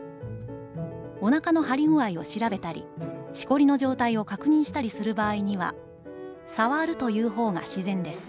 お腹の張り具合を調べたり、しこりの状態を確認したりする場合には、『さわる』という方が自然です。